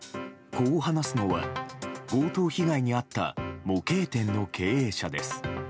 こう話すのは強盗被害に遭った模型店の経営者です。